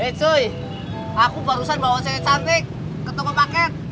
hei cuy aku barusan bawa senit cantik ke toko paket